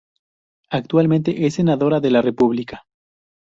Actualmente es Senadora de la República.